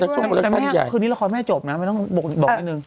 แต่แม่คืนนี้ละครแม่จบนะไม่ต้องบอกนิดนึง